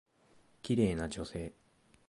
綺麗な女性。